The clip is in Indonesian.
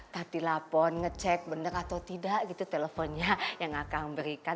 tadi lapor ngecek bener atau tidak gitu teleponnya yang akang berikan